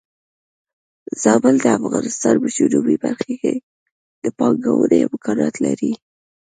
زابل د افغانستان په جنوبی برخه کې د پانګونې امکانات لري.